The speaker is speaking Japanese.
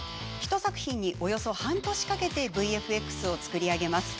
１作品に、およそ半年かけてＶＦＸを作り上げます。